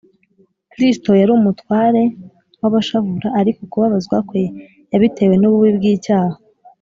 kristo yari umutware w’abashavura; ariko kubabazwa kwe yabitewe n’ububi bw’icyaha